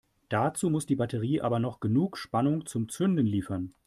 Dazu muss die Batterie aber noch genug Spannung zum Zünden liefern.